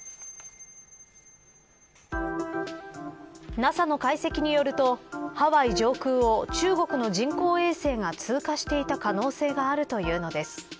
ＮＡＳＡの解析によるとハワイ上空を中国の人工衛星が通過していた可能性があるというのです。